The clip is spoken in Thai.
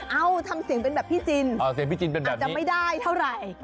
เอาทำเสียงเป็นแบบพี่จินอ๋อเสียงพี่จินเป็นแบบจะไม่ได้เท่าไหร่